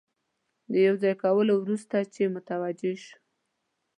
د یو ځای کولو وروسته چې متوجه شو.